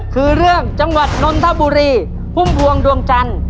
คือเรื่องจังหวัดนนทบุรีพุ่มพวงดวงจันทร์